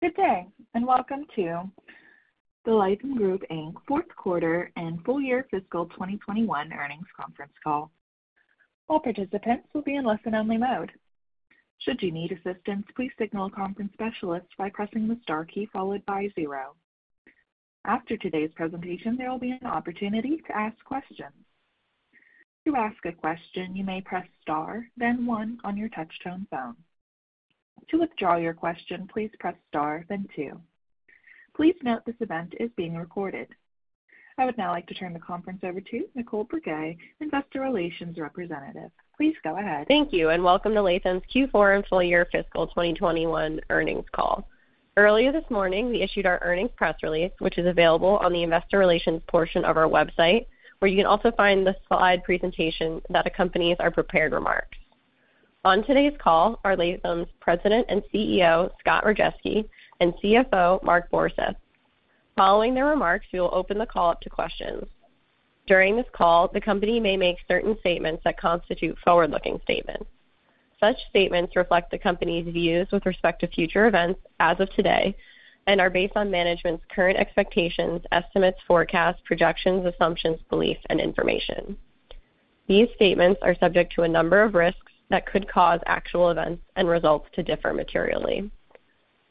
Good day, and welcome to the Latham Group Inc. Fourth Quarter and Full Year Fiscal 2021 Earnings Conference Call. All participants will be in listen-only mode. Should you need assistance, please signal a conference specialist by pressing the star key followed by zero. After today's presentation, there will be an opportunity to ask questions. To ask a question, you may press star, then one on your touchtone phone. To withdraw your question, please press star, then two. Please note this event is being recorded. I would now like to turn the conference over to Nicole Briguet, Investor Relations Representative. Please go ahead. Thank you, and welcome to Latham's Q4 and Full Year Fiscal 2021 Earnings Call. Earlier this morning, we issued our earnings press release, which is available on the investor relations portion of our website, where you can also find the slide presentation that accompanies our prepared remarks. On today's call are Latham's President and CEO, Scott Rajeski, and CFO, Mark Borseth. Following their remarks, we will open the call up to questions. During this call, the company may make certain statements that constitute forward-looking statements. Such statements reflect the company's views with respect to future events as of today and are based on management's current expectations, estimates, forecasts, projections, assumptions, belief, and information. These statements are subject to a number of risks that could cause actual events and results to differ materially.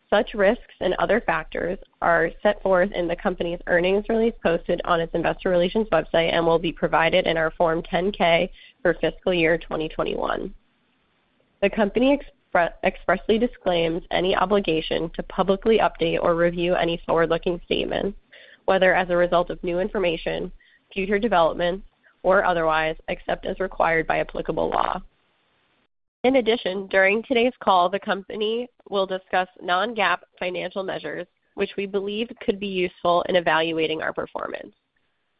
Such risks and other factors are set forth in the company's earnings release posted on its investor relations website and will be provided in our Form 10-K for fiscal year 2021. The company expressly disclaims any obligation to publicly update or review any forward-looking statements, whether as a result of new information, future developments or otherwise, except as required by applicable law. In addition, during today's call, the company will discuss non-GAAP financial measures, which we believe could be useful in evaluating our performance.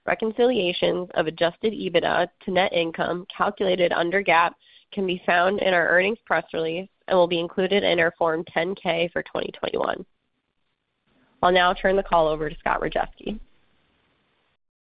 Reconciliations of adjusted EBITDA to net income calculated under GAAP can be found in our earnings press release and will be included in our Form 10-K for 2021. I'll now turn the call over to Scott Rajeski.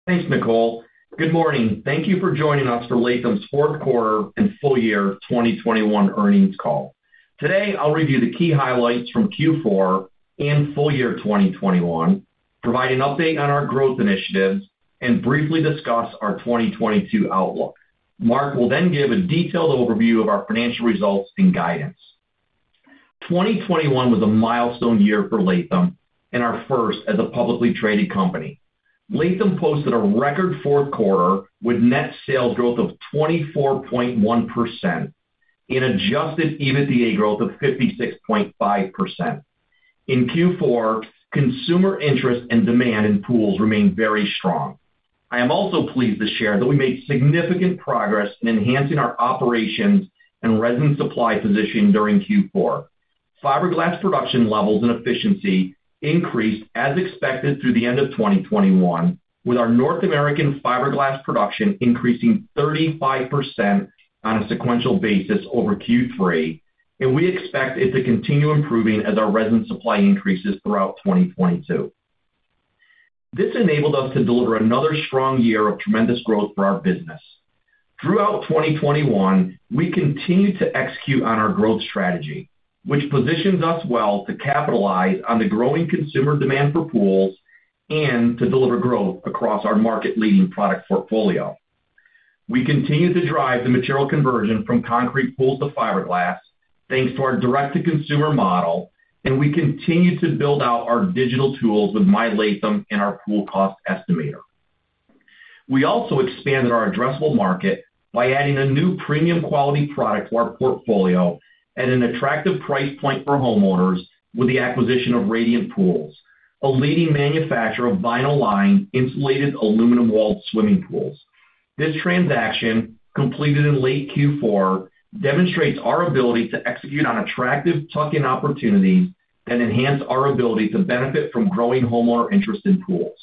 Thanks, Nicole. Good morning. Thank you for joining us for Latham's Fourth Quarter and Full Year 2021 Earnings Call. Today, I'll review the key highlights from Q4 and full year 2021, provide an update on our growth initiatives, and briefly discuss our 2022 outlook. Mark will then give a detailed overview of our financial results and guidance. 2021 was a milestone year for Latham and our first as a publicly traded company. Latham posted a record fourth quarter with net sales growth of 24.1% and adjusted EBITDA growth of 56.5%. In Q4, consumer interest and demand in pools remained very strong. I am also pleased to share that we made significant progress in enhancing our operations and resin supply position during Q4. Fiberglass production levels and efficiency increased as expected through the end of 2021, with our North American fiberglass production increasing 35% on a sequential basis over Q3, and we expect it to continue improving as our resin supply increases throughout 2022. This enabled us to deliver another strong year of tremendous growth for our business. Throughout 2021, we continued to execute on our growth strategy, which positions us well to capitalize on the growing consumer demand for pools and to deliver growth across our market-leading product portfolio. We continued to drive the material conversion from concrete pools to fiberglass, thanks to our direct-to-consumer model, and we continued to build out our digital tools with My Latham and our Pool Cost Estimator. We also expanded our addressable market by adding a new premium quality product to our portfolio at an attractive price point for homeowners with the acquisition of Radiant Pools, a leading manufacturer of vinyl-lined, insulated, aluminum-walled swimming pools. This transaction, completed in late Q4, demonstrates our ability to execute on attractive tuck-in opportunities that enhance our ability to benefit from growing homeowner interest in pools.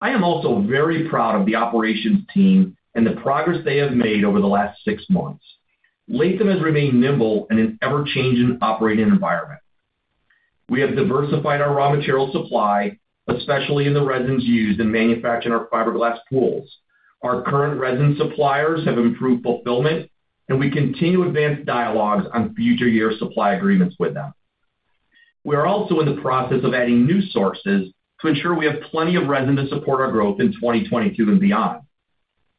I am also very proud of the operations team and the progress they have made over the last six months. Latham has remained nimble in an ever-changing operating environment. We have diversified our raw material supply, especially in the resins used in manufacturing our fiberglass pools. Our current resin suppliers have improved fulfillment, and we continue advanced dialogues on future year supply agreements with them. We are also in the process of adding new sources to ensure we have plenty of resin to support our growth in 2022 and beyond.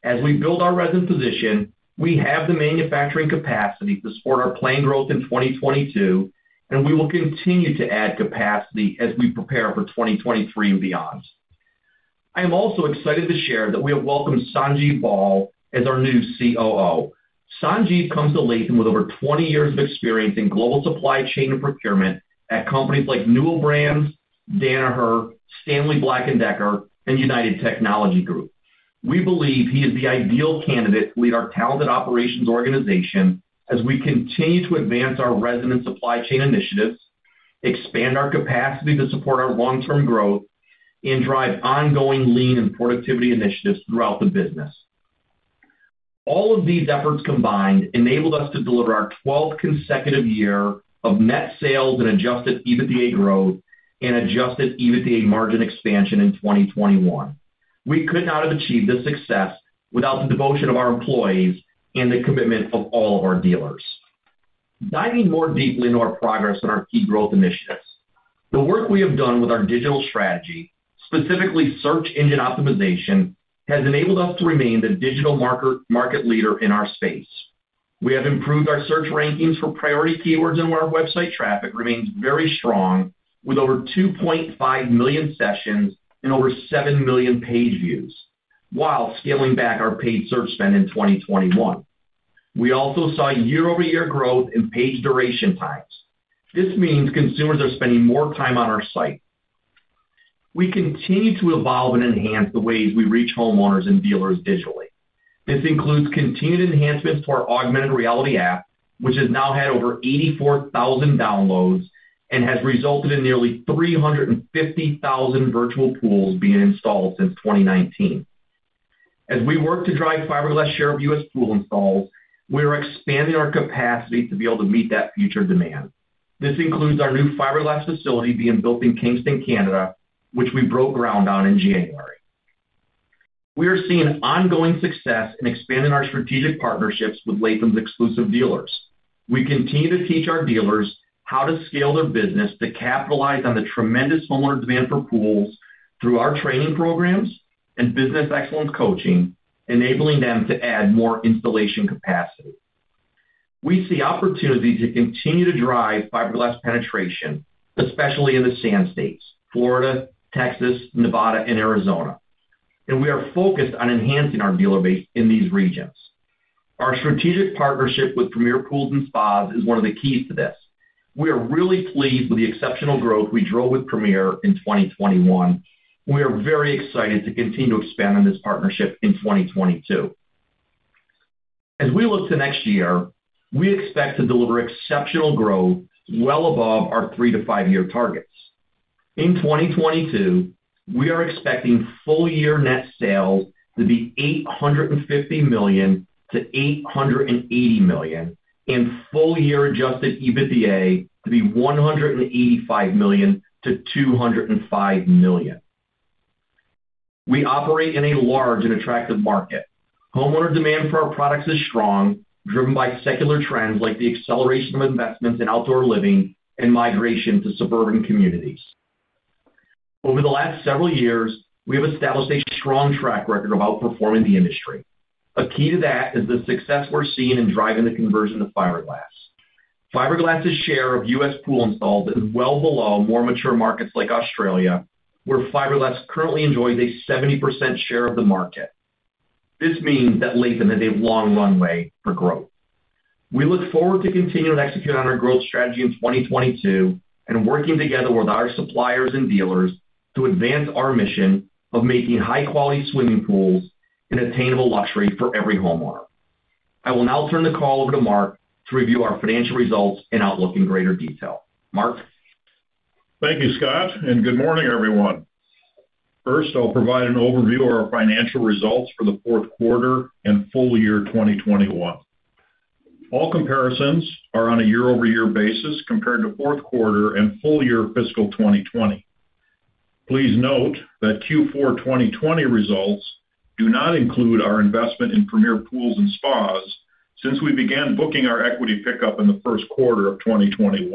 As we build our resin position, we have the manufacturing capacity to support our planned growth in 2022, and we will continue to add capacity as we prepare for 2023 and beyond. I am also excited to share that we have welcomed Sanjeev Bahl as our new COO. Sanjeev comes to Latham with over 20 years of experience in global supply chain and procurement at companies like Newell Brands, Danaher, Stanley Black & Decker, and United Technologies. We believe he is the ideal candidate to lead our talented operations organization as we continue to advance our resin and supply chain initiatives, expand our capacity to support our long-term growth, and drive ongoing lean and productivity initiatives throughout the business. All of these efforts combined enabled us to deliver our 12th consecutive year of net sales and adjusted EBITDA growth and adjusted EBITDA margin expansion in 2021. We could not have achieved this success without the devotion of our employees and the commitment of all of our dealers. Diving more deeply into our progress on our key growth initiatives. The work we have done with our digital strategy, specifically search engine optimization, has enabled us to remain the digital market leader in our space. We have improved our search rankings for priority keywords, and our website traffic remains very strong with over 2.5 million sessions and over 7 million page views, while scaling back our paid search spend in 2021. We also saw year-over-year growth in page duration times. This means consumers are spending more time on our site. We continue to evolve and enhance the ways we reach homeowners and dealers digitally. This includes continued enhancements to our augmented reality app, which has now had over 84,000 downloads and has resulted in nearly 350,000 virtual pools being installed since 2019. As we work to drive fiberglass share of U.S. pool installs, we are expanding our capacity to be able to meet that future demand. This includes our new fiberglass facility being built in Kingston, Canada, which we broke ground on in January. We are seeing ongoing success in expanding our strategic partnerships with Latham's exclusive dealers. We continue to teach our dealers how to scale their business to capitalize on the tremendous homeowner demand for pools through our training programs and business excellence coaching, enabling them to add more installation capacity. We see opportunity to continue to drive fiberglass penetration, especially in the sand states, Florida, Texas, Nevada, and Arizona, and we are focused on enhancing our dealer base in these regions. Our strategic partnership with Premier Pools Spas is one of the keys to this. We are really pleased with the exceptional growth we drove with Premier in 2021. We are very excited to continue to expand on this partnership in 2022. As we look to next year, we expect to deliver exceptional growth well above our three-to-five year targets. In 2022, we are expecting full year net sales to be $850 million-$880 million, and full year adjusted EBITDA to be $185 million-$205 million. We operate in a large and attractive market. Homeowner demand for our products is strong, driven by secular trends like the acceleration of investments in outdoor living and migration to suburban communities. Over the last several years, we have established a strong track record of outperforming the industry. A key to that is the success we're seeing in driving the conversion to fiberglass. Fiberglass's share of U.S. pool installs is well below more mature markets like Australia, where fiberglass currently enjoys a 70% share of the market. This means that Latham has a long runway for growth. We look forward to continuing to execute on our growth strategy in 2022 and working together with our suppliers and dealers to advance our mission of making high-quality swimming pools an attainable luxury for every homeowner. I will now turn the call over to Mark to review our financial results and outlook in greater detail. Mark? Thank you, Scott, and good morning, everyone. First, I'll provide an overview of our financial results for the fourth quarter and full year 2021. All comparisons are on a year-over-year basis compared to fourth quarter and full year fiscal 2020. Please note that Q4 2020 results do not include our investment in Premier Pools & Spas since we began booking our equity pickup in the first quarter of 2021.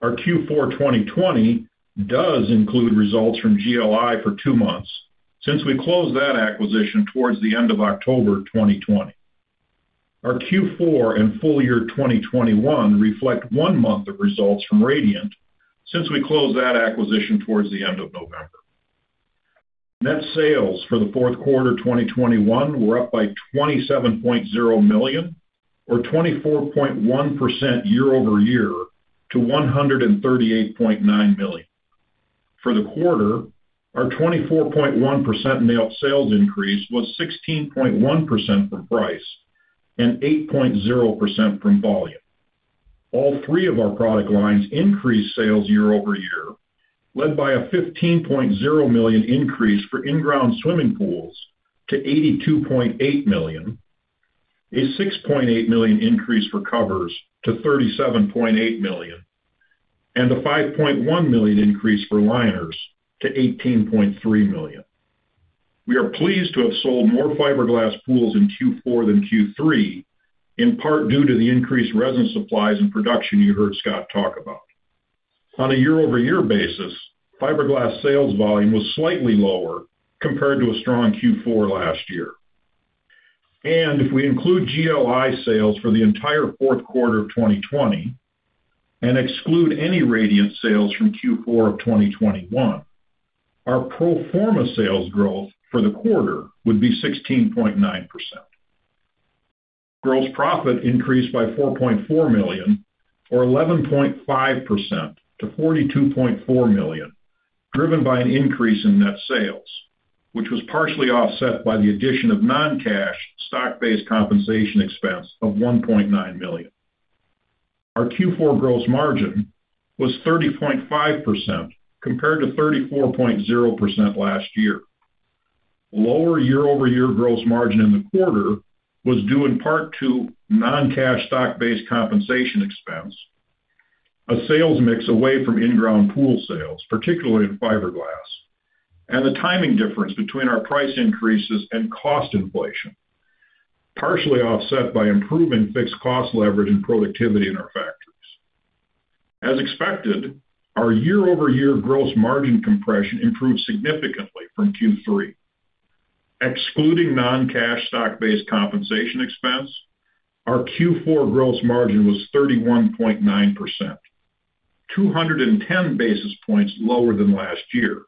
Our Q4 2020 does include results from GLI for two months since we closed that acquisition towards the end of October 2020. Our Q4 and full year 2021 reflect one month of results from Radiant Pools since we closed that acquisition towards the end of November. Net sales for the fourth quarter 2021 were up by $27.0 million or 24.1% year-over-year to $138.9 million. For the quarter, our 24.1% net sales increase was 16.1% from price and 8.0% from volume. All three of our product lines increased sales year-over-year, led by a $15.0 million increase for in-ground swimming pools to $82.8 million, a $6.8 million increase for covers to $37.8 million, and a $5.1 million increase for liners to $18.3 million. We are pleased to have sold more fiberglass pools in Q4 than Q3, in part due to the increased resin supplies and production you heard Scott talk about. On a year-over-year basis, fiberglass sales volume was slightly lower compared to a strong Q4 last year. If we include GLI sales for the entire fourth quarter of 2020 and exclude any Radiant sales from Q4 of 2021, our pro forma sales growth for the quarter would be 16.9%. Gross profit increased by $4.4 million or 11.5% to $42.4 million, driven by an increase in net sales, which was partially offset by the addition of non-cash stock-based compensation expense of $1.9 million. Our Q4 gross margin was 30.5%, compared to 34.0% last year. Lower year-over-year gross margin in the quarter was due in part to non-cash stock-based compensation expense, a sales mix away from in-ground pool sales, particularly in fiberglass, and the timing difference between our price increases and cost inflation, partially offset by improvement in fixed cost leverage and productivity in our factories. As expected, our year-over-year gross margin compression improved significantly from Q3. Excluding non-cash stock-based compensation expense, our Q4 gross margin was 31.9%, 210 basis points lower than last year,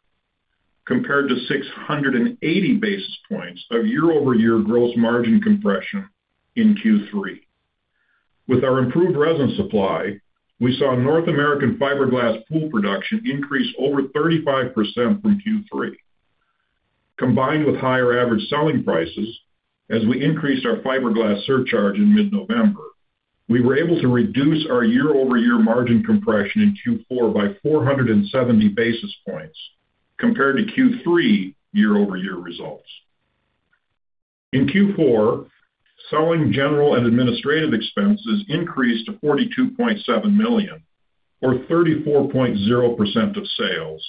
compared to 680 basis points of year-over-year gross margin compression in Q3. With our improved resin supply, we saw North American fiberglass pool production increase over 35% from Q3. Combined with higher average selling prices, as we increased our fiberglass surcharge in mid-November, we were able to reduce our year-over-year margin compression in Q4 by 470 basis points compared to Q3 year-over-year results. In Q4, selling, general, and administrative expenses increased to $42.7 million or 34.0% of sales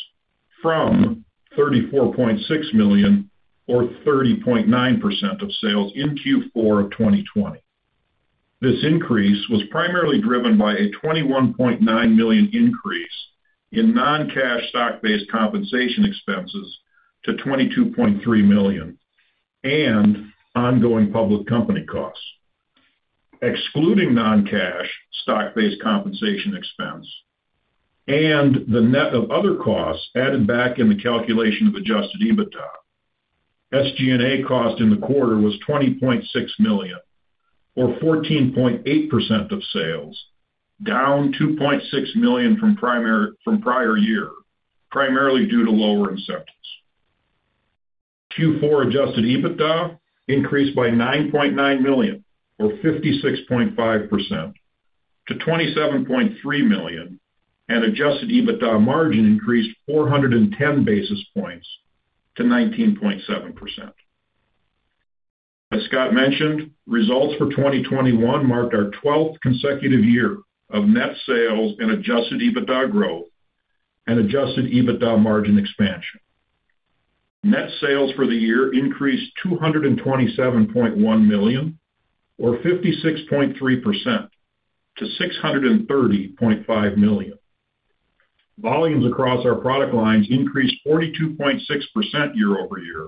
from $34.6 million or 30.9% of sales in Q4 of 2020. This increase was primarily driven by a $21.9 million increase in non-cash stock-based compensation expenses to $22.3 million and ongoing public company costs. Excluding non-cash stock-based compensation expense and the net of other costs added back in the calculation of adjusted EBITDA, SG&A cost in the quarter was $20.6 million or 14.8% of sales, down $2.6 million from prior year, primarily due to lower incentives. Q4 adjusted EBITDA increased by $9.9 million or 56.5% to $27.3 million, and adjusted EBITDA margin increased 410 basis points to 19.7%. As Scott mentioned, results for 2021 marked our 12th consecutive year of net sales and adjusted EBITDA growth and adjusted EBITDA margin expansion. Net sales for the year increased $227.1 million or 56.3% to $630.5 million. Volumes across our product lines increased 42.6% year-over-year,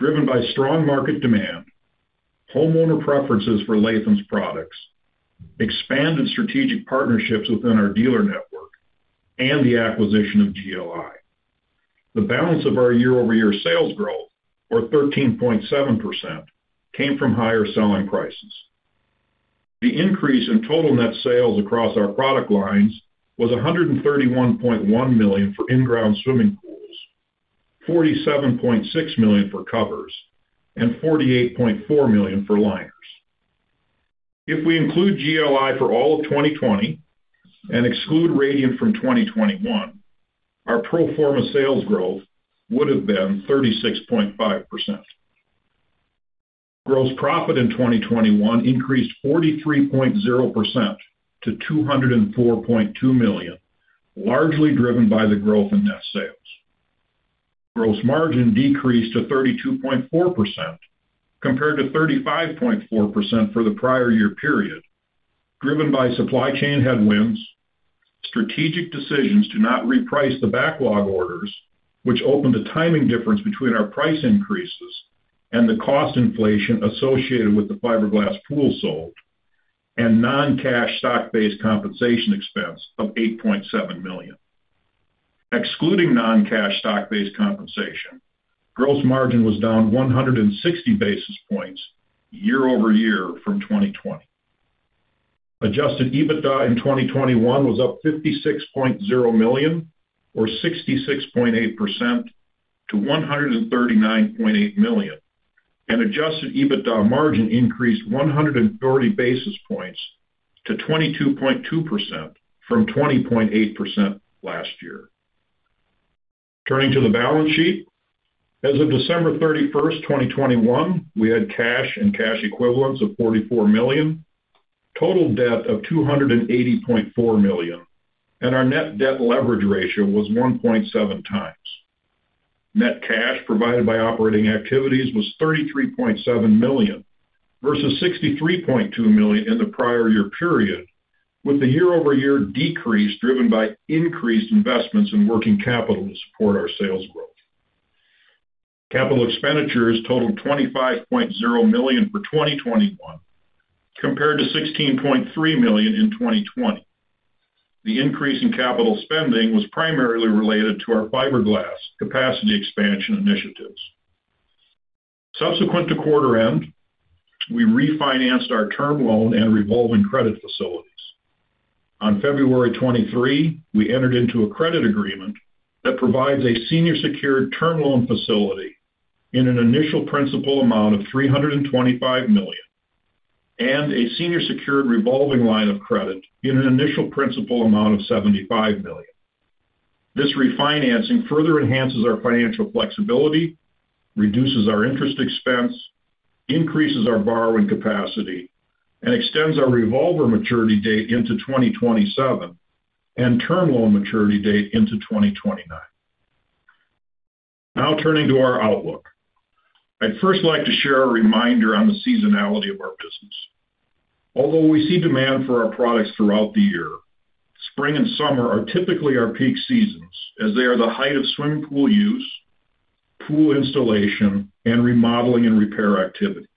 driven by strong market demand, homeowner preferences for Latham's products, expanded strategic partnerships within our dealer network, and the acquisition of GLI. The balance of our year-over-year sales growth, or 13.7%, came from higher selling prices. The increase in total net sales across our product lines was $131.1 million for in-ground swimming pools, $47.6 million for covers, and $48.4 million for liners. If we include GLI for all of 2020 and exclude Radiant from 2021, our pro forma sales growth would have been 36.5%. Gross profit in 2021 increased 43.0% to $204.2 million, largely driven by the growth in net sales. Gross margin decreased to 32.4% compared to 35.4% for the prior year period, driven by supply chain headwinds, strategic decisions to not reprice the backlog orders, which opened a timing difference between our price increases and the cost inflation associated with the fiberglass pool sold, and non-cash stock-based compensation expense of $8.7 million. Excluding non-cash stock-based compensation, gross margin was down 160 basis points year-over-year from 2020. Adjusted EBITDA in 2021 was up $56.0 million or 66.8% to $139.8 million. Adjusted EBITDA margin increased 130 basis points to 22.2% from 20.8% last year. Turning to the balance sheet. As of December 31st, 2021, we had cash and cash equivalents of $44 million, total debt of $280.4 million, and our net debt leverage ratio was 1.7 times. Net cash provided by operating activities was $33.7 million versus $63.2 million in the prior year period, with the year-over-year decrease driven by increased investments in working capital to support our sales growth. Capital expenditures totaled $25.0 million for 2021 compared to $16.3 million in 2020. The increase in capital spending was primarily related to our fiberglass capacity expansion initiatives. Subsequent to quarter end, we refinanced our term loan and revolving credit facilities. On February 23rd, we entered into a credit agreement that provides a senior secured term loan facility in an initial principal amount of $325 million and a senior secured revolving line of credit in an initial principal amount of $75 million. This refinancing further enhances our financial flexibility, reduces our interest expense, increases our borrowing capacity, and extends our revolver maturity date into 2027 and term loan maturity date into 2029. Now turning to our outlook. I'd first like to share a reminder on the seasonality of our business. Although we see demand for our products throughout the year, spring and summer are typically our peak seasons as they are the height of swimming pool use, pool installation, and remodeling and repair activities.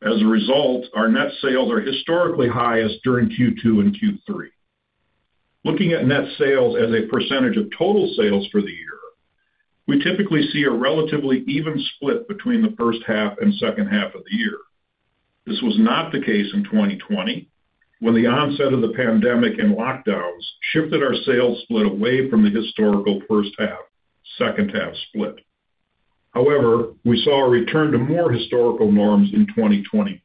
As a result, our net sales are historically highest during Q2 and Q3. Looking at net sales as a percentage of total sales for the year, we typically see a relatively even split between the first half and second half of the year. This was not the case in 2020, when the onset of the pandemic and lockdowns shifted our sales split away from the historical first half/second half split. However, we saw a return to more historical norms in 2021.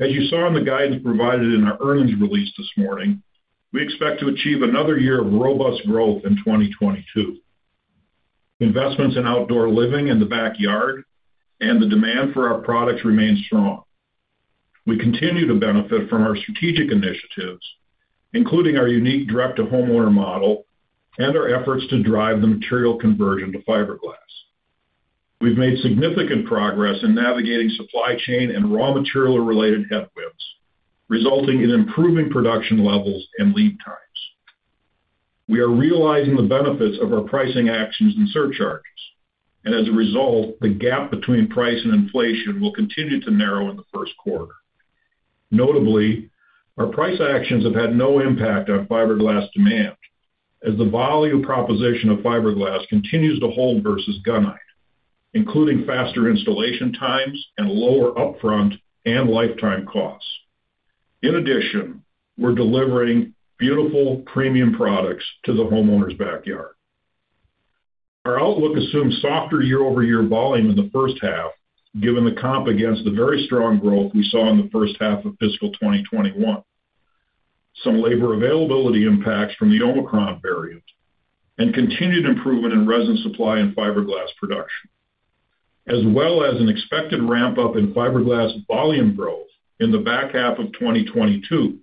As you saw in the guidance provided in our earnings release this morning, we expect to achieve another year of robust growth in 2022. Investments in outdoor living in the backyard and the demand for our products remain strong. We continue to benefit from our strategic initiatives, including our unique direct-to-homeowner model and our efforts to drive the material conversion to fiberglass. We've made significant progress in navigating supply chain and raw material-related headwinds, resulting in improving production levels and lead times. We are realizing the benefits of our pricing actions and surcharges, and as a result, the gap between price and inflation will continue to narrow in the first quarter. Notably, our price actions have had no impact on fiberglass demand as the volume proposition of fiberglass continues to hold versus gunite, including faster installation times and lower upfront and lifetime costs. In addition, we're delivering beautiful premium products to the homeowner's backyard. Our outlook assumes softer year-over-year volume in the first half, given the comp against the very strong growth we saw in the first half of fiscal 2021. Some labor availability impacts from the Omicron variant and continued improvement in resin supply and fiberglass production, as well as an expected ramp-up in fiberglass volume growth in the back half of 2022,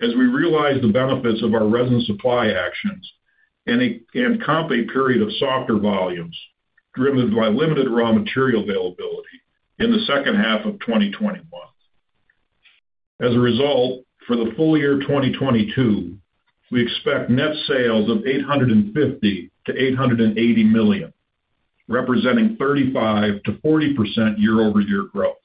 as we realize the benefits of our resin supply actions and compare a period of softer volumes driven by limited raw material availability in the second half of 2021. As a result, for the full year 2022, we expect net sales of $850 million-$880 million, representing 35%-40% year-over-year growth.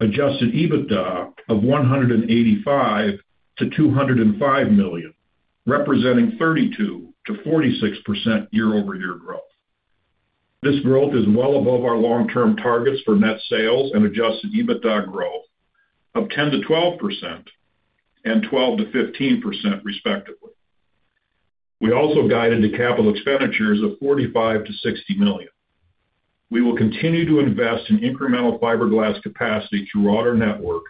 Adjusted EBITDA of $185 million-$205 million, representing 32%-46% year-over-year growth. This growth is well above our long-term targets for net sales and adjusted EBITDA growth of 10%-12% and 12%-15% respectively. We also guided the capital expenditures of $45 million-$60 million. We will continue to invest in incremental fiberglass capacity throughout our network,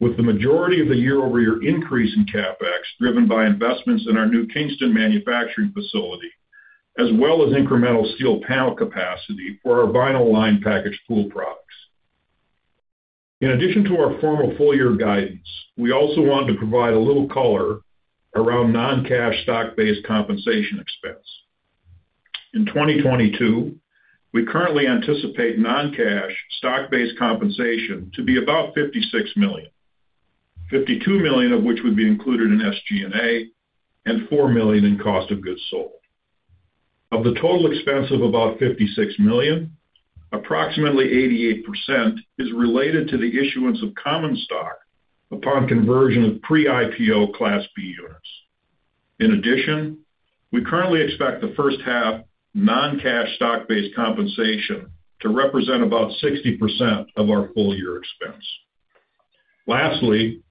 with the majority of the year-over-year increase in CapEx driven by investments in our new Kingston manufacturing facility, as well as incremental steel panel capacity for our vinyl line packaged pool products. In addition to our formal full year guidance, we also want to provide a little color around non-cash stock-based compensation expense. In 2022, we currently anticipate non-cash stock-based compensation to be about $56 million, $52 million of which would be included in SG&A and $4 million in cost of goods sold. Of the total expense of about $56 million, approximately 88% is related to the issuance of common stock upon conversion of pre-IPO Class B units. In addition, we currently expect the first half non-cash stock-based compensation to represent about 60% of our full year expense. Lastly,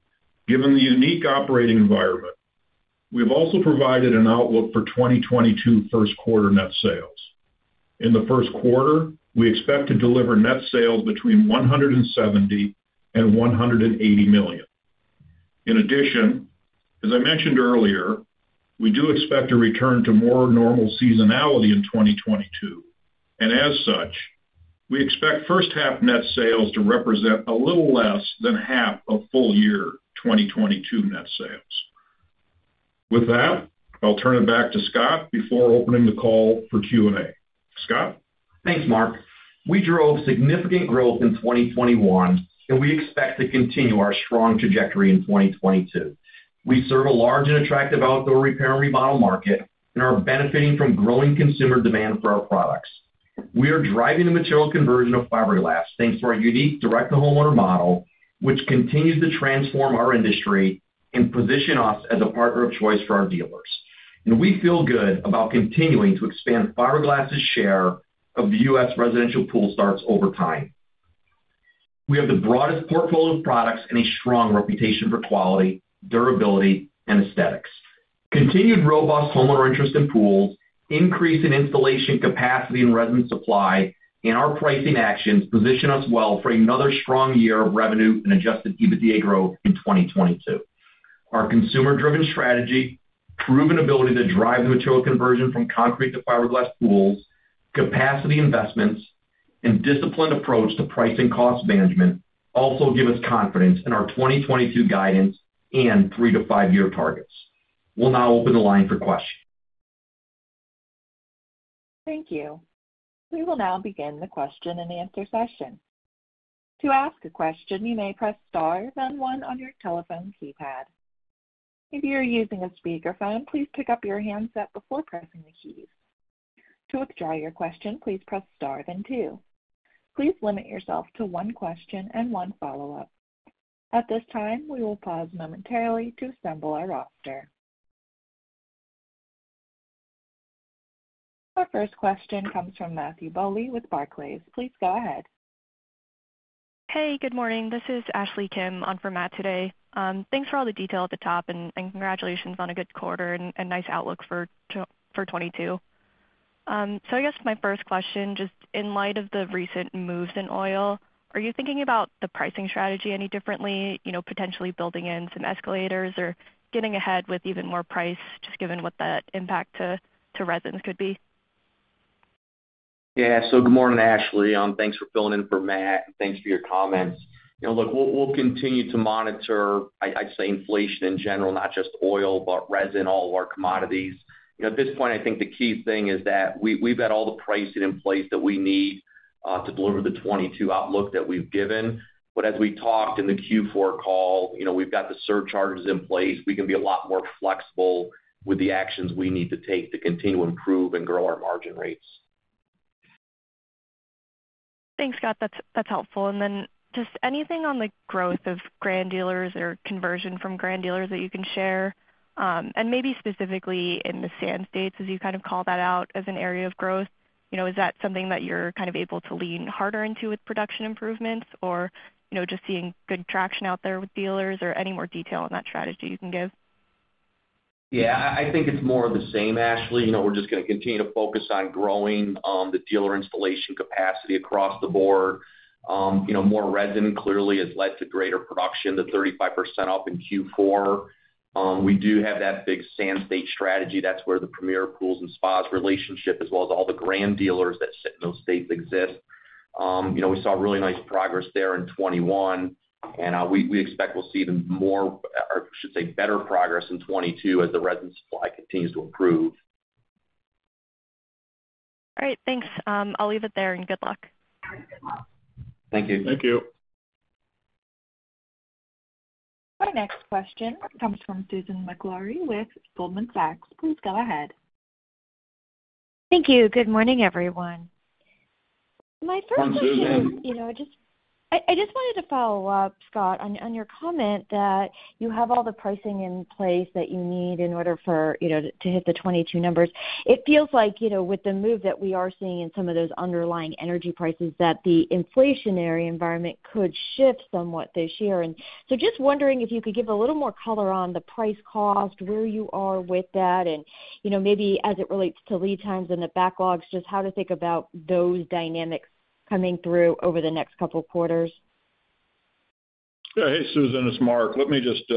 given the unique operating environment, we've also provided an outlook for 2022 first quarter net sales. In the first quarter, we expect to deliver net sales between $170 million and $180 million. In addition, as I mentioned earlier, we do expect a return to more normal seasonality in 2022, and as such, we expect first half net sales to represent a little less than half of full year 2022 net sales. With that, I'll turn it back to Scott before opening the call for Q&A. Scott? Thanks Mark. We drove significant growth in 2021, and we expect to continue our strong trajectory in 2022. We serve a large and attractive outdoor repair and remodel market and are benefiting from growing consumer demand for our products. We are driving the material conversion of fiberglass thanks to our unique direct-to-homeowner model, which continues to transform our industry and position us as a partner of choice for our dealers. We feel good about continuing to expand fiberglass's share of the U.S. residential pool starts over time. We have the broadest portfolio of products and a strong reputation for quality, durability, and aesthetics. Continued robust homeowner interest in pools, increase in installation capacity and resin supply, and our pricing actions position us well for another strong year of revenue and adjusted EBITDA growth in 2022. Our consumer-driven strategy, proven ability to drive material conversion from concrete to fiberglass pools, capacity investments, and disciplined approach to price and cost management also give us confidence in our 2022 guidance and three to five year targets. We'll now open the line for questions. Thank you. We will now begin the question-and-answer session. To ask a question, you may press star then one on your telephone keypad. If you're using a speakerphone, please pick up your handset before pressing the keys. To withdraw your question, please press star then two. Please limit yourself to one question and one follow-up. At this time, we will pause momentarily to assemble our roster. Our first question comes from Matthew Bouley with Barclays. Please go ahead. Hey, good morning. This is Ashley Kim on for Matt today. Thanks for all the detail at the top, and congratulations on a good quarter and nice outlook for 2022. I guess my first question, just in light of the recent moves in oil, are you thinking about the pricing strategy any differently, you know, potentially building in some escalators or getting ahead with even more price just given what that impact to resins could be? Yeah. Good morning, Ashley. Thanks for filling in for Matt, and thanks for your comments. You know, look, we'll continue to monitor. I'd say inflation in general, not just oil, but resin, all of our commodities. You know, at this point, I think the key thing is that we've got all the pricing in place that we need to deliver the 2022 outlook that we've given. But as we talked in the Q4 call, you know, we've got the surcharges in place. We can be a lot more flexible with the actions we need to take to continue to improve and grow our margin rates. Thanks, Scott. That's helpful. Just anything on the growth of Grand dealers or conversion from Grand dealers that you can share, and maybe specifically in the Sand States as you kind of called that out as an area of growth? You know, is that something that you're kind of able to lean harder into with production improvements or, you know, just seeing good traction out there with dealers, or any more detail on that strategy you can give? Yeah. I think it's more of the same, Ashley. You know, we're just gonna continue to focus on growing the dealer installation capacity across the board. You know, more resin clearly has led to greater production, the 35% up in Q4. We do have that big Sand States strategy. That's where the Premier Pools and Spas relationship, as well as all the Grand dealers that sit in those states exist. You know, we saw really nice progress there in 2021, and we expect we'll see even more, or I should say better progress in 2022 as the resin supply continues to improve. All right. Thanks. I'll leave it there, and good luck. Thank you. Our next question comes from Susan Maklari with Goldman Sachs. Please go ahead. Thank you. Good morning, everyone. Hi, Susan. My first question is, you know, just I just wanted to follow up, Scott, on your comment that you have all the pricing in place that you need in order for it to hit the 22 numbers. It feels like, you know, with the move that we are seeing in some of those underlying energy prices, that the inflationary environment could shift somewhat this year. So just wondering if you could give a little more color on the price cost, where you are with that, and, you know, maybe as it relates to lead times and the backlogs, just how to think about those dynamics coming through over the next couple quarters. Yeah. Hey, Susan, it's Mark. Let me just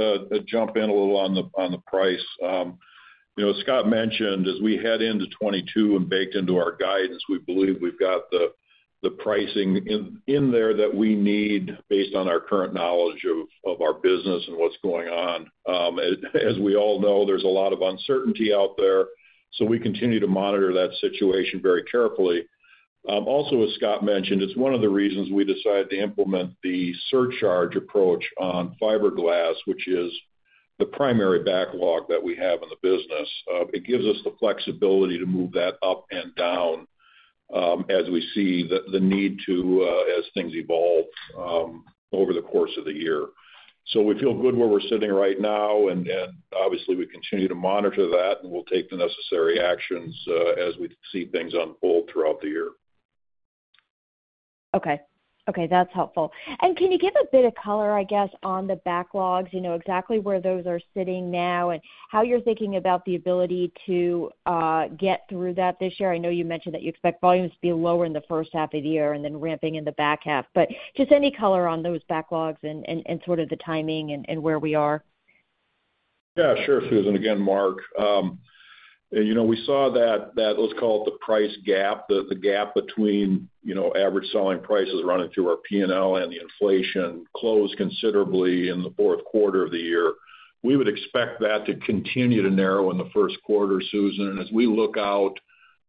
jump in a little on the price. You know, as Scott mentioned, as we head into 2022 and baked into our guidance, we believe we've got the pricing in there that we need based on our current knowledge of our business and what's going on. As we all know, there's a lot of uncertainty out there, so we continue to monitor that situation very carefully. Also as Scott mentioned, it's one of the reasons we decided to implement the surcharge approach on fiberglass, which is the primary backlog that we have in the business. It gives us the flexibility to move that up and down as we see the need to as things evolve over the course of the year. We feel good where we're sitting right now, and obviously we continue to monitor that, and we'll take the necessary actions as we see things unfold throughout the year. Okay, that's helpful. Can you give a bit of color, I guess, on the backlogs? You know, exactly where those are sitting now and how you're thinking about the ability to get through that this year. I know you mentioned that you expect volumes to be lower in the first half of the year and then ramping in the back half. Just any color on those backlogs and sort of the timing and where we are. Yeah Susan. Again, Mark. We saw that let's call it the price gap, the gap between average selling prices running through our P&L and the inflation closed considerably in the fourth quarter of the year. We would expect that to continue to narrow in the first quarter, Susan. As we look out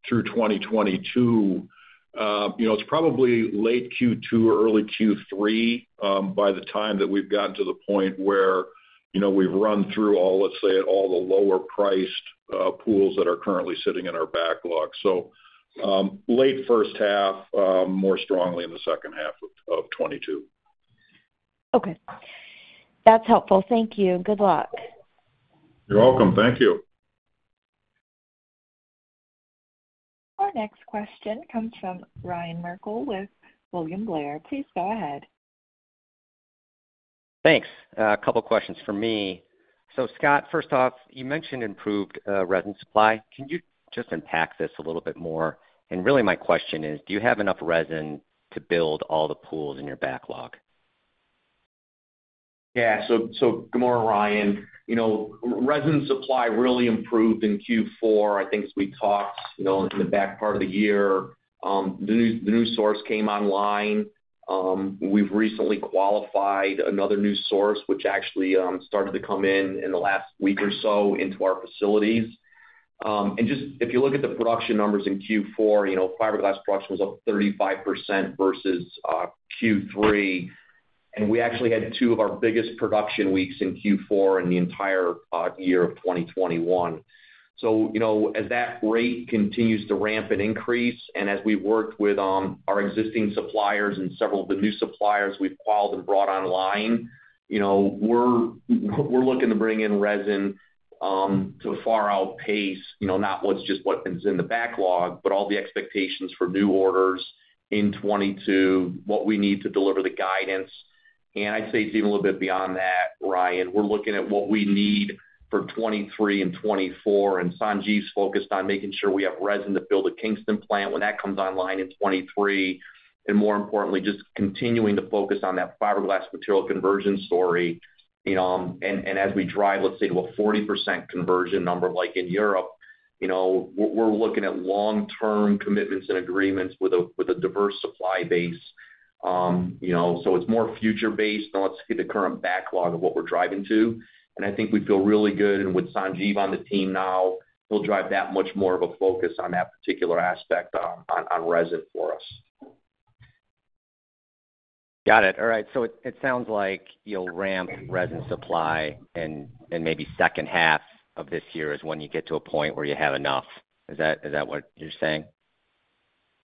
through 2022, it's probably late Q2 or early Q3 by the time that we've gotten to the point where we've run through all, let's say, the lower priced pools that are currently sitting in our backlog late first half more strongly in the second half of 2022. Okay. That's helpful. Thank you. Good luck. You're welcome. Thank you. Our next question comes from Ryan Merkel with William Blair. Please go ahead. Thanks. A couple questions from me. Scott, first off, you mentioned improved resin supply. Can you just unpack this a little bit more? And really my question is, do you have enough resin to build all the pools in your backlog? Yeah. Good morning, Ryan. You know, resin supply really improved in Q4, I think as we talked, you know, in the back half of the year. The new source came online. We've recently qualified another new source which actually started to come in in the last week or so into our facilities. And just if you look at the production numbers in Q4, you know, fiberglass production was up 35% versus Q3. And we actually had two of our biggest production weeks in Q4 in the entire year of 2021. You know, as that rate continues to ramp and increase, and as we worked with our existing suppliers and several of the new suppliers we've qualified and brought online, you know, we're looking to bring in resin to far outpace, you know, not just what is in the backlog, but all the expectations for new orders in 2022, what we need to deliver the guidance. I'd say it's even a little bit beyond that, Ryan. We're looking at what we need for 2023 and 2024, and Sanjeev's focused on making sure we have resin to build a Kingston plant when that comes online in 2023. More importantly, just continuing to focus on that fiberglass material conversion story, you know, and as we drive, let's say to a 40% conversion number like in Europe, you know, we're looking at long-term commitments and agreements with a diverse supply base. You know, it's more future-based than let's get the current backlog of what we're driving to. I think we feel really good. With Sanjeev on the team now, he'll drive that much more of a focus on that particular aspect, on resin for us. Got it. All right. It sounds like you'll ramp resin supply and maybe second half of this year is when you get to a point where you have enough. Is that what you're saying?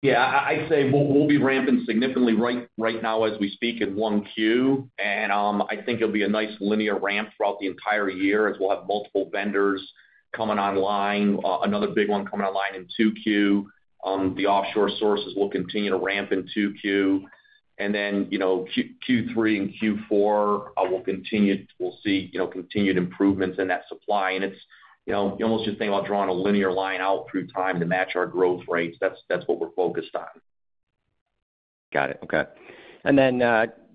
Yeah. I'd say we'll be ramping significantly right now as we speak in 1Q. I think it'll be a nice linear ramp throughout the entire year as we'll have multiple vendors coming online. Another big one coming online in 2Q. The offshore sources will continue to ramp in 2Q. Then, you know, Q3 and Q4 will continue. We'll see, you know, continued improvements in that supply. It's, you know, you almost just think about drawing a linear line out through time to match our growth rates. That's what we're focused on. Got it. Okay.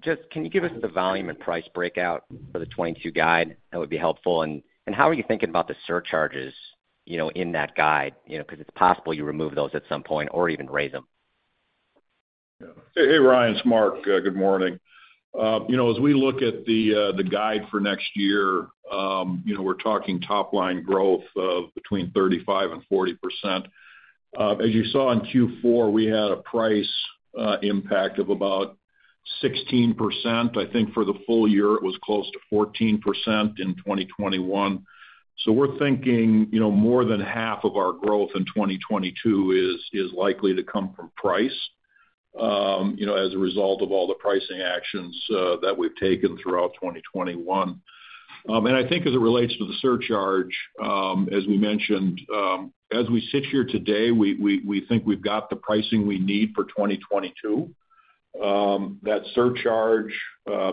Just can you give us the volume and price breakout for the 2022 guide? That would be helpful. How are you thinking about the surcharges, you know, in that guide? You know, 'cause it's possible you remove those at some point or even raise them. Yeah. Hey, Ryan, it's Mark. Good morning. You know, as we look at the guide for next year, you know, we're talking top line growth of between 35% and 40%. As you saw in Q4, we had a price impact of about 16%. I think for the full year it was close to 14% in 2021. We're thinking, you know, more than half of our growth in 2022 is likely to come from price, you know, as a result of all the pricing actions that we've taken throughout 2021. I think as it relates to the surcharge, as we mentioned, as we sit here today, we think we've got the pricing we need for 2022. That surcharge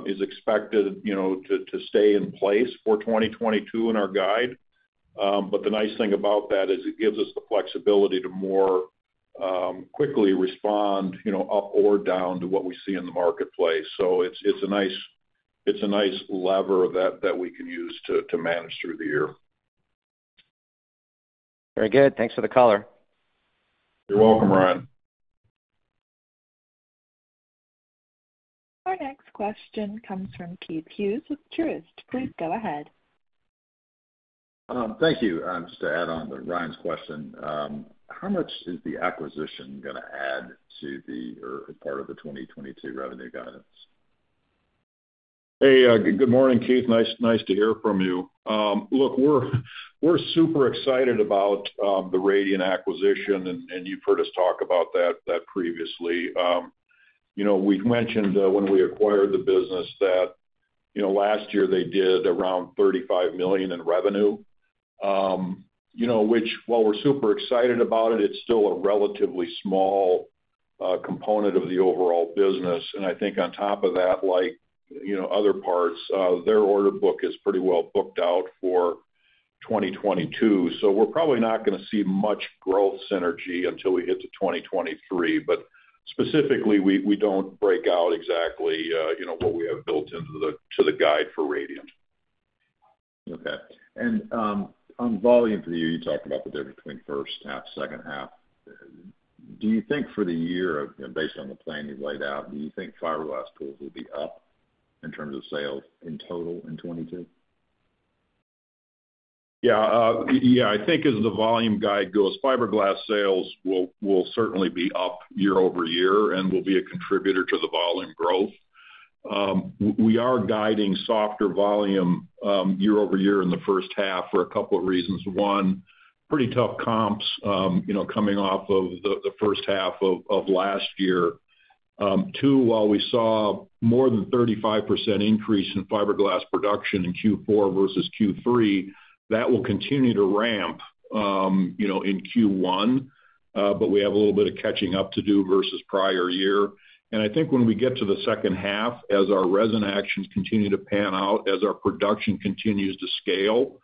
is expected, you know, to stay in place for 2022 in our guide. But the nice thing about that is it gives us the flexibility to more quickly respond, you know, up or down to what we see in the marketplace. It's a nice lever that we can use to manage through the year. Very good. Thanks for the color. You're welcome, Ryan. Our next question comes from Keith Hughes with Truist. Please go ahead. Thank you. Just to add on to Ryan's question. How much is the acquisition gonna add to the, or part of the 2022 revenue guidance? Hey, good morning, Keith. Nice to hear from you. Look, we're super excited about the Radiant acquisition, and you've heard us talk about that previously. You know, we mentioned when we acquired the business that, you know, last year they did around $35 million in revenue, you know, which while we're super excited about it's still a relatively small component of the overall business. I think on top of that, like, you know, other parts, their order book is pretty well booked out for 2022. We're probably not gonna see much growth synergy until we get to 2023, but specifically we don't break out exactly, you know, what we have built into the guide for Radiant. Okay. On volume for the year, you talked about the difference between first half, second half. Do you think for the year, you know, based on the plan you've laid out, do you think fiberglass pools will be up in terms of sales in total in 2022? Yeah. Yeah. I think as the volume guide goes, fiberglass sales will certainly be up year-over-year and will be a contributor to the volume growth. We are guiding softer volume year-over-year in the first half for a couple of reasons. One, pretty tough comps, you know, coming off of the first half of last year. Two, while we saw more than 35% increase in fiberglass production in Q4 versus Q3, that will continue to ramp, you know, in Q1, but we have a little bit of catching up to do versus prior year. I think when we get to the second half, as our resin actions continue to pan out, as our production continues to scale,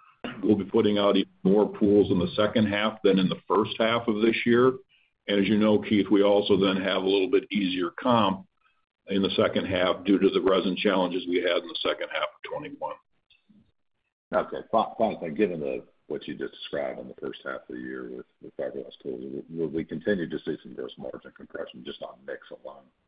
we'll be putting out even more pools in the second half than in the first half of this year. As you know, Keith, we also then have a little bit easier comp in the second half due to the resin challenges we had in the second half of 2021. Okay. Finally, given what you just described in the first half of the year with fiberglass pools, will we continue to see some gross margin compression just on mix alone in the second half?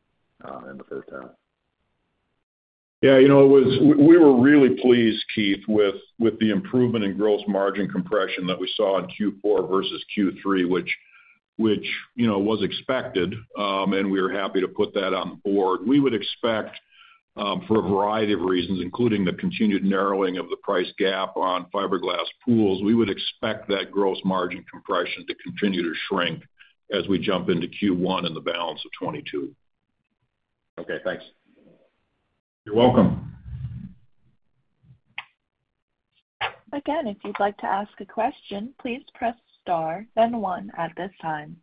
Yeah. You know, we were really pleased, Keith, with the improvement in gross margin compression that we saw in Q4 versus Q3, which you know was expected, and we are happy to put that on the board. We would expect, for a variety of reasons, including the continued narrowing of the price gap on fiberglass pools, that gross margin compression to continue to shrink as we jump into Q1 and the balance of 2022. Okay, thanks. You're welcome. Again, if you'd like to ask a question, please press star then one at this time.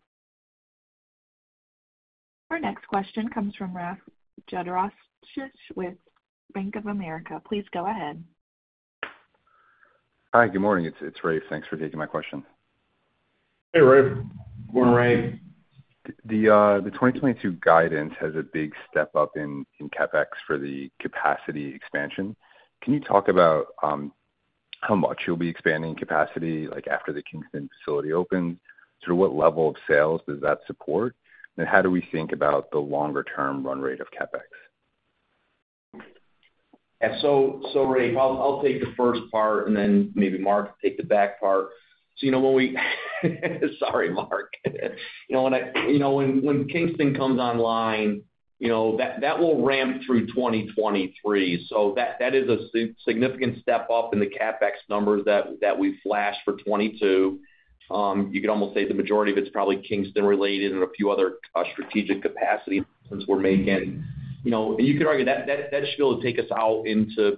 Our next question comes from Rafe Jadrosich with Bank of America. Please go ahead. Hi. Good morning. It's Rafe. Thanks for taking my question. Hey, Rafe. Morning, Rafe. The 2022 guidance has a big step-up in CapEx for the capacity expansion. Can you talk about how much you'll be expanding capacity like after the Kingston facility opens? To what level of sales does that support? How do we think about the longer term run rate of CapEx? Yeah, Raf, I'll take the first part and then maybe Mark take the back part. You know, sorry, Mark. You know, when Kingston comes online, you know, that will ramp through 2023. That is a significant step up in the CapEx numbers that we flashed for 2022. You could almost say the majority of it's probably Kingston related and a few other strategic capacity investments we're making. You know, you could argue that should be able to take us out into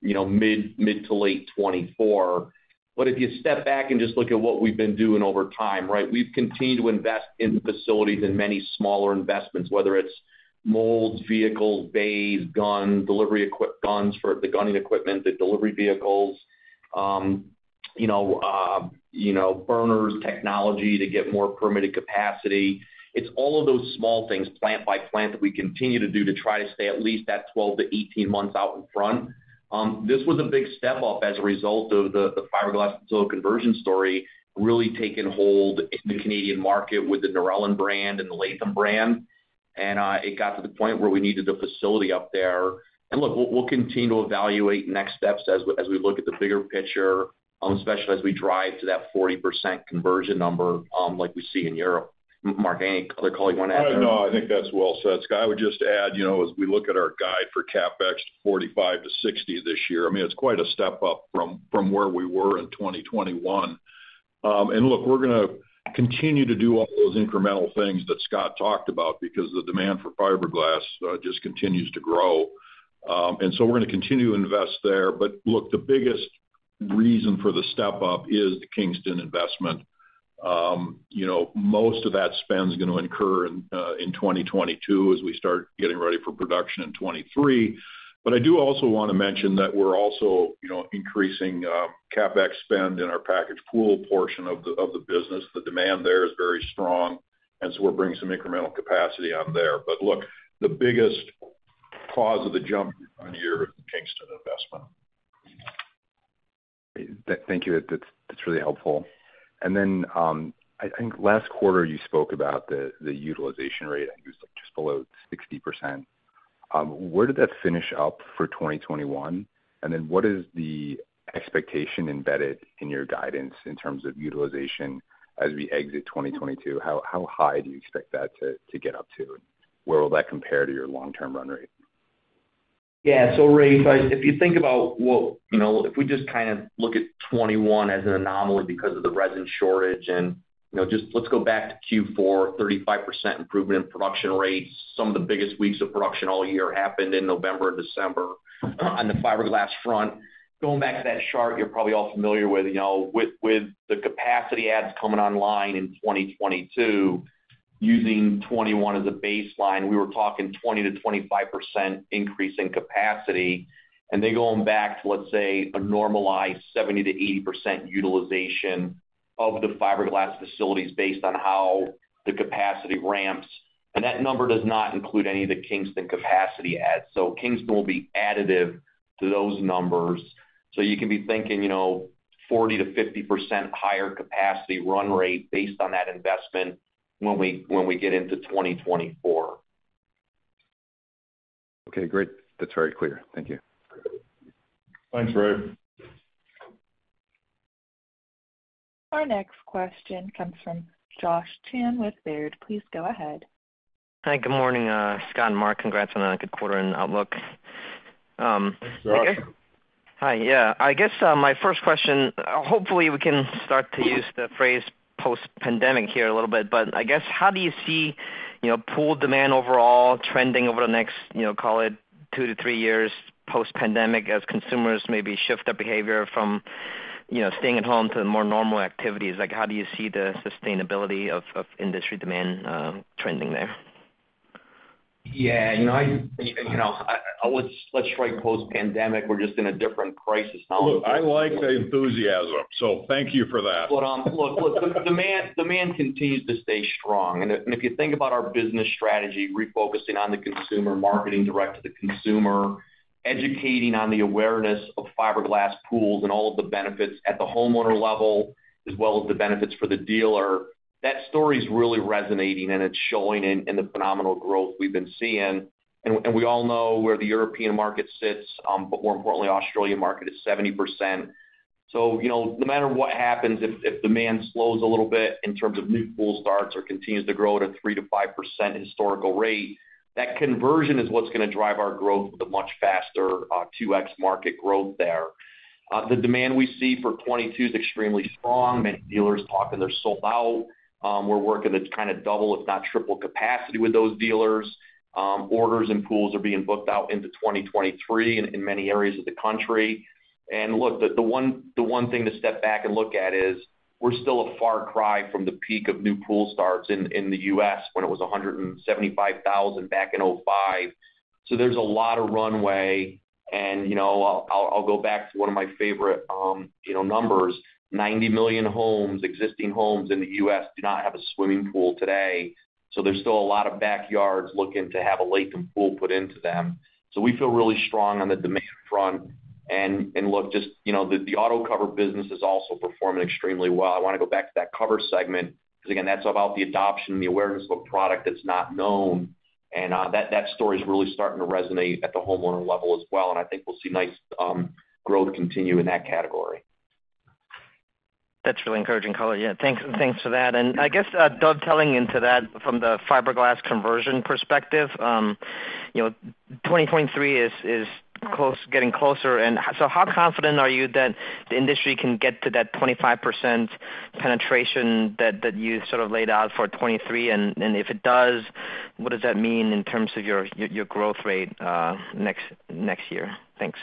mid- to late 2024. If you step back and just look at what we've been doing over time, right? We've continued to invest in the facilities and many smaller investments, whether it's molds, vehicles, bays, guns for the gunning equipment, the delivery vehicles, burners technology to get more permitted capacity. It's all of those small things plant by plant that we continue to do to try to stay at least that 12-18 months out in front. This was a big step-up as a result of the fiberglass facility conversion story really taking hold in the Canadian market with the Narellan brand and the Latham brand. It got to the point where we needed a facility up there. Look, we'll continue to evaluate next steps as we look at the bigger picture, especially as we drive to that 40% conversion number, like we see in Europe. Mark, any other color you wanna add there? No, I think that's well said, Scott. I would just add, you know, as we look at our guide for CapEx to $45-$60 this year, I mean, it's quite a step up from where we were in 2021. Look, we're gonna continue to do all those incremental things that Scott talked about because the demand for fiberglass just continues to grow. We're gonna continue to invest there. Look, the biggest reason for the step-up is the Kingston investment. You know, most of that spend's gonna occur in 2022 as we start getting ready for production in 2023. I do also wanna mention that we're also, you know, increasing CapEx spend in our packaged pool portion of the business. The demand there is very strong, and so we're bringing some incremental capacity on there. Look, the biggest cause of the jump on here is the Kingston investment. Thank you. That's really helpful. I think last quarter you spoke about the utilization rate, I think it was like just below 60%. Where did that finish up for 2021? What is the expectation embedded in your guidance in terms of utilization as we exit 2022? How high do you expect that to get up to, and where will that compare to your long-term run rate? Yeah. Raf, if you think about what, you know, if we just kind of look at 2021 as an anomaly because of the resin shortage and, you know, just let's go back to Q4, 35% improvement in production rates. Some of the biggest weeks of production all year happened in November and December on the fiberglass front. Going back to that chart you're probably all familiar with, you know, with the capacity adds coming online in 2022, using 2021 as a baseline, we were talking 20%-25% increase in capacity. Then going back to, let's say, a normalized 70%-80% utilization of the fiberglass facilities based on how the capacity ramps. That number does not include any of the Kingston capacity adds. Kingston will be additive to those numbers. You can be thinking, you know, 40%-50% higher capacity run rate based on that investment when we get into 2024. Okay, great. That's very clear. Thank you. Thanks, Rafe. Our next question comes from Josh Chan with Baird. Please go ahead. Hi. Good morning, Scott and Mark. Congrats on another good quarter and outlook. Thanks, Josh. Hi. Yeah. I guess my first question, hopefully we can start to use the phrase post-pandemic here a little bit. I guess, how do you see, you know, pool demand overall trending over the next, you know, call it two-three years post-pandemic as consumers maybe shift their behavior from staying at home to more normal activities? Like, how do you see the sustainability of industry demand trending there? Yeah. You know, let's try post-pandemic. We're just in a different crisis now. Look, I like the enthusiasm, so thank you for that. Look, demand continues to stay strong. If you think about our business strategy, refocusing on the consumer, marketing direct to the consumer, educating on the awareness of fiberglass pools and all of the benefits at the homeowner level, as well as the benefits for the dealer, that story's really resonating, and it's showing in the phenomenal growth we've been seeing. We all know where the European market sits, but more importantly, Australian market is 70%. You know, no matter what happens, if demand slows a little bit in terms of new pool starts or continues to grow at a 3%-5% historical rate, that conversion is what's gonna drive our growth with a much faster 2x market growth there. The demand we see for 2022 is extremely strong. Many dealers talking they're sold out. We're working at kind of double if not triple capacity with those dealers. Orders and pools are being booked out into 2023 in many areas of the country. Look, the one thing to step back and look at is we're still a far cry from the peak of new pool starts in the U.S. when it was 175,000 back in 2005. There's a lot of runway and, you know, I'll go back to one of my favorite numbers, 90 million homes, existing homes in the U.S. do not have a swimming pool today. There's still a lot of backyards looking to have a Latham pool put into them. We feel really strong on the demand front. Look, just you know, the auto cover business is also performing extremely well. I wanna go back to that cover segment 'cause again, that's about the adoption and the awareness of a product that's not known, and that story's really starting to resonate at the homeowner level as well, and I think we'll see nice growth continue in that category. That's really encouraging color. Yeah. Thanks, thanks for that. I guess, dovetailing into that from the fiberglass conversion perspective, you know, 2023 is close, getting closer. So how confident are you that the industry can get to that 25% penetration that you sort of laid out for 2023? If it does, what does that mean in terms of your growth rate next year? Thanks.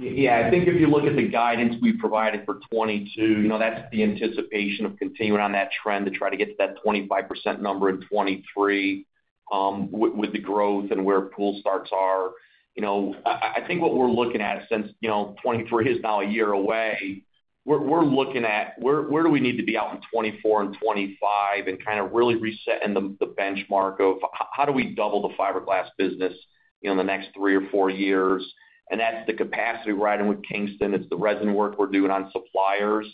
Yeah. I think if you look at the guidance we provided for 2022, you know, that's the anticipation of continuing on that trend to try to get to that 25% number in 2023, with the growth and where pool starts are. You know, I think what we're looking at since, you know, 2023 is now a year away, we're looking at where do we need to be out in 2024 and 2025 and kinda really resetting the benchmark of how do we double the fiberglass business in the next three or four years? That's the capacity we're adding with Kingston. It's the resin work we're doing on suppliers.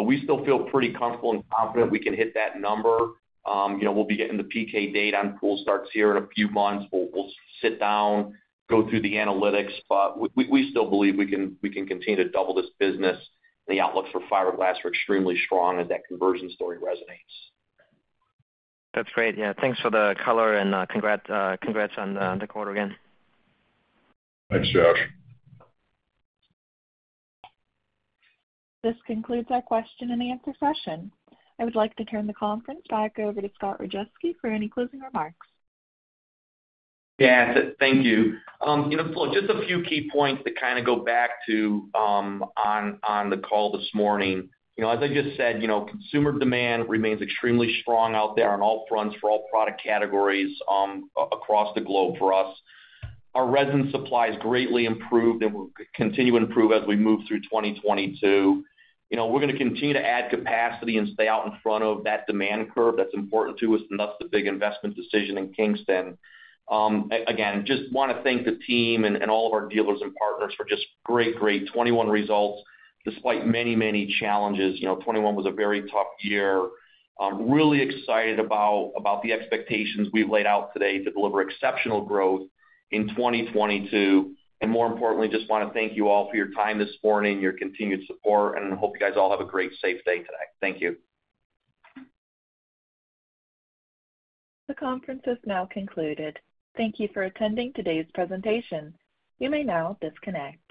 We still feel pretty comfortable and confident we can hit that number. You know, we'll be getting the PK Data on pool starts here in a few months. We'll sit down, go through the analytics. We still believe we can continue to double this business. The outlooks for fiberglass are extremely strong, and that conversion story resonates. That's great. Yeah, thanks for the color and congrats on the quarter again. Thanks, Josh. This concludes our question and answer session. I would like to turn the conference back over to Scott Rajeski for any closing remarks. Yeah. Thank you. You know, just a few key points to kinda go back to, on the call this morning. You know, as I just said, you know, consumer demand remains extremely strong out there on all fronts for all product categories, across the globe for us. Our resin supply has greatly improved, and will continue to improve as we move through 2022. You know, we're gonna continue to add capacity and stay out in front of that demand curve. That's important to us, and thus the big investment decision in Kingston. Again, just wanna thank the team and all of our dealers and partners for just great 2021 results despite many challenges. You know, 2021 was a very tough year. Really excited about the expectations we've laid out today to deliver exceptional growth in 2022. More importantly, just wanna thank you all for your time this morning, your continued support, and hope you guys all have a great, safe day today. Thank you. The conference is now concluded. Thank you for attending today's presentation. You may now disconnect.